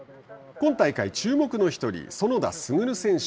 今大会注目の１人園田俊選手